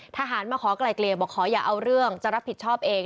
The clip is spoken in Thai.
ทหารมาขอไกลเกลี่ยบอกขออย่าเอาเรื่องจะรับผิดชอบเอง